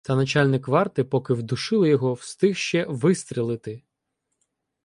Та начальник варти, поки вдушили його, встиг ще вистрелити.